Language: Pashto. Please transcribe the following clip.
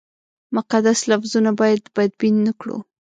مقدس لفظونه باید بدبین نه کړو.